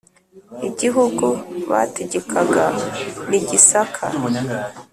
igihugu bategekaga ni gisaka